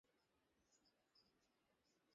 ফলে তার সামনে অপর দাঁতটি পড়ে গেল।